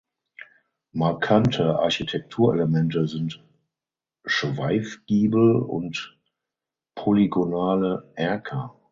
Markante Architekturelemente sind Schweifgiebel und polygonale Erker.